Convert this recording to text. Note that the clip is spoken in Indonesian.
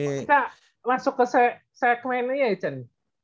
kita masuk ke segmen ini ya cun